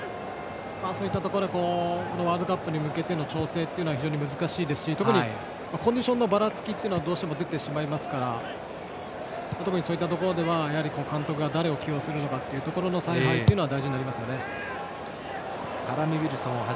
そういったところはワールドカップに向けての調整が難しいですしコンディションのばらつきはどうしても出てしまいますから特にそういったところで監督が誰を起用するかの采配というのは大事になりますね。